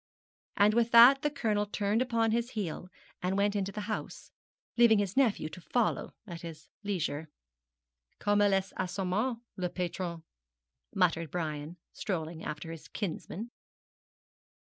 And with that the Colonel turned upon his heel and went into the house, leaving his nephew to follow at his leisure. 'Comme il est assommant, le patron,' muttered Brian, strolling after his kinsman.